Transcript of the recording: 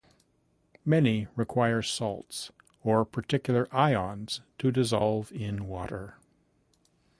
Many require salts or particular ions to dissolve in water.